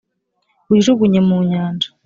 Wijugunye mu nyanja